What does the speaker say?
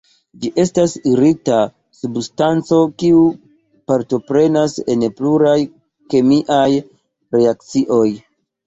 Ĝi estas irita substanco kiu partoprenas en pluraj kemiaj reakcioj.